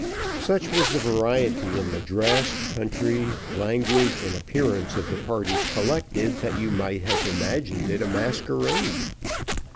Such was the variety in the dress, country, language, and appearance of the parties collected, that you might have imagined it a masquerade.